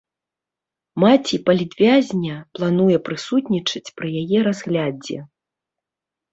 Маці палітвязня плануе прысутнічаць пры яе разглядзе.